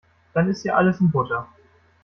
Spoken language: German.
Dann ist ja alles in Butter.